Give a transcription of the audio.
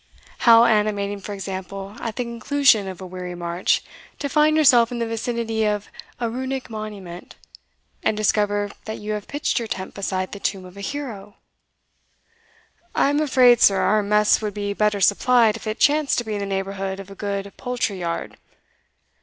How animating, for example, at the conclusion of a weary march, to find yourself in the vicinity of a Runic monument, and discover that you have pitched your tent beside the tomb of a hero!" "I am afraid, sir, our mess would be better supplied if it chanced to be in the neighbourhood of a good poultry yard."